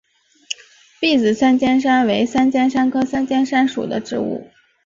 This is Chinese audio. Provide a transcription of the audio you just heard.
篦子三尖杉为三尖杉科三尖杉属的植物。